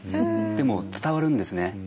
でも伝わるんですね。